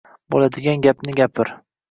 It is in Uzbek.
Bo'ladigan gapni gapir!